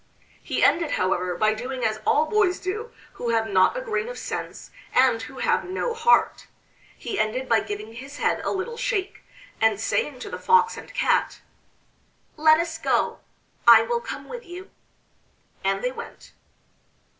He ended however, by doing as all boys do who have not a grain of sense and who have no heart he ended by giving his head a little shake, and saying to the Fox and Cat: "Let us go: I will come with you." And they went.